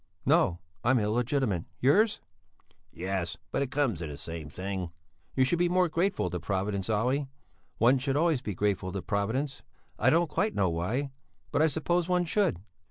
"No; I'm illegitimate. Yours?" "Yes; but it comes to the same thing." "You should be more grateful to Providence, Olle; one should always be grateful to Providence I don't quite know why. But I suppose one should."